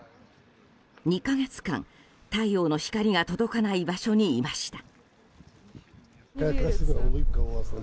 ２か月間、太陽の光が届かない場所にいました。